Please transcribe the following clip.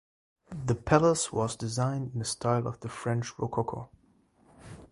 The palace was designed in the style of the French rococo.